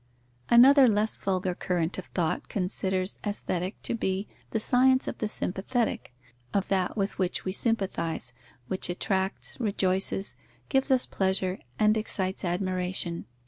_ Another less vulgar current of thought considers Aesthetic to be the science of the sympathetic, of that with which we sympathize, which attracts, rejoices, gives us pleasure and excites admiration.